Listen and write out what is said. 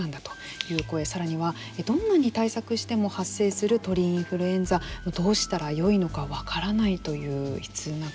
さらには、どんなに対策しても発生する鳥インフルエンザどうしたらよいのか分からないという悲痛な声。